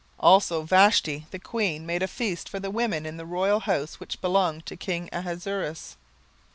17:001:009 Also Vashti the queen made a feast for the women in the royal house which belonged to king Ahasuerus.